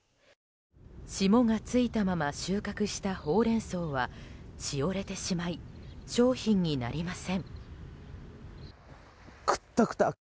霜が付いたまま収穫したホウレンソウはしおれてしまい商品になりません。